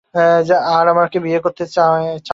আর আমাকে বিয়ে করতে চাও না।